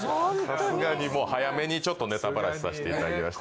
さすがにもう早めにちょっとネタばらしさせていただきました